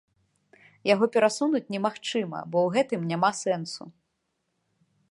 Яго перасунуць немагчыма, бо ў гэтым няма сэнсу.